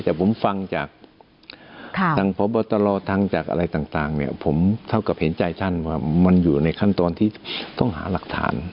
แต่ผมฟังจากทางพบตรทางจากอะไรต่างเนี่ยผมเท่ากับเห็นใจท่านว่ามันอยู่ในขั้นตอนที่ต้องหาหลักฐาน